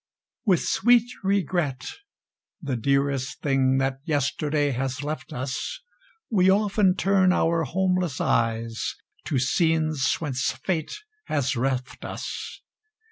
With sweet Regret (the dearest thing that Yesterday has left us) We often turn our homeless eyes to scenes whence Fate has reft us.